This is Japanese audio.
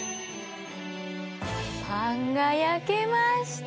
パンが焼けました！